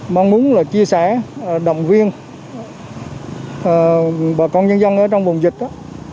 mong muốn là chia sẻ động viên bà con nhân dân ở trong vùng dịch đó